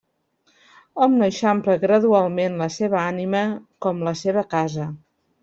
Hom no eixampla gradualment la seva ànima com la seva casa.